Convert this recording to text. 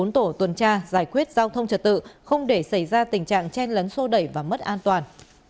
bốn tổ tuần tra giải quyết giao thông trật tự không để xảy ra tình trạng chen lấn sô đẩy và mất an toàn